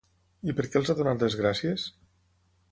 I per què els ha donat les gràcies?